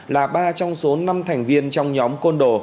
là ba trong số năm thành viên trong nhóm côn đồ